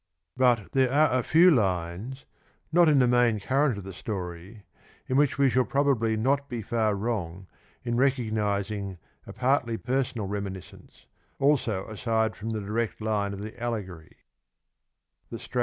But there are a few lines, not in the main current of the story, in which we shall probably not be 12 lunibs far wrong in recognising a partly personal reminiscence, Tho^^trayea also aside from the direct line of the allegory.